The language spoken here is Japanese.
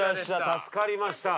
助かりました。